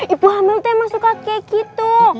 ibu hamil tuh yang masuk kakek gitu